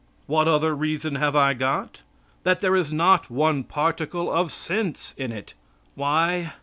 What other reason have I got? That there is not one particle of sense in it. Why?